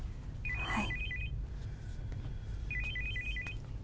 はい